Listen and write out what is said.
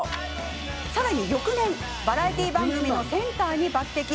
さらに、翌年バラエティー番組のセンターに抜てき。